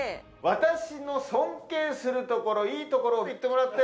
私の尊敬するところいいところを言ってもらって。